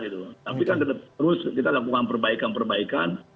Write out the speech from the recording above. tapi kan terus kita lakukan perbaikan perbaikan